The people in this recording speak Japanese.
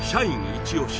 イチ押し